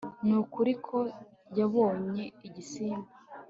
Nukuri ko yabonye igisimba